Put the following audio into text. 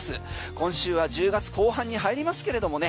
今週は１０月後半に入りますけれどもね